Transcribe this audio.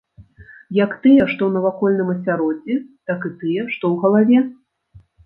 Як тыя, што ў навакольным асяроддзі, так і тыя, што ў галаве.